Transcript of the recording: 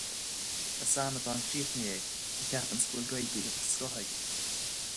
Is amadán críochnaithe é a cheapann go bhfuil Gaeilge den scoth aige